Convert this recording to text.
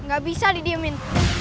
nggak bisa didiemin